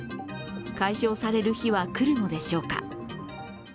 解消される日は来るのでしょうか。